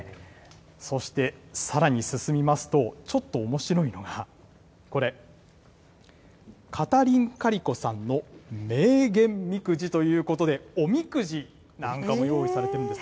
そして、さらに進みますと、ちょっとおもしろいのが、これ、カタリン・カリコさんの名言みくじということで、おみくじなんかも用意されてるんです。